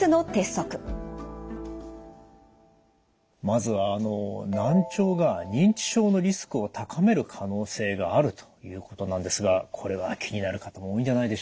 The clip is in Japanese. まずは難聴が認知症のリスクを高める可能性があるということなんですがこれは気になる方も多いんじゃないでしょうか。